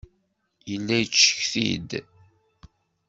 Yella yettcetki-d.